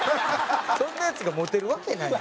そんなヤツがモテるわけない。